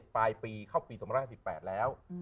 ปลายปีเข้าปี๒๕๘แล้ว